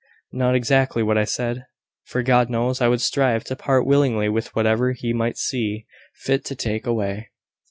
Not exactly what I said; for God knows, I would strive to part willingly with whatever he might see fit to take away.